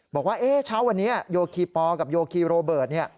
บอกว่าเช้าวันนี้โยคีปอลกับโยคีโรเบิร์ต